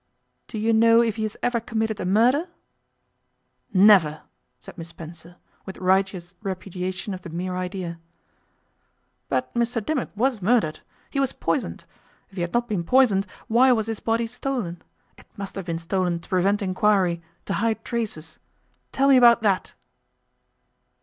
'Do you know if he has ever committed a murder?' 'Never!' said Miss Spencer, with righteous repudiation of the mere idea. 'But Mr Dimmock was murdered. He was poisoned. If he had not been poisoned why was his body stolen? It must have been stolen to prevent inquiry, to hide traces. Tell me about that.